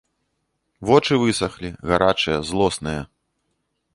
Вочы высахлі, гарачыя, злосныя.